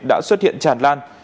đã xuất hiện tràn lan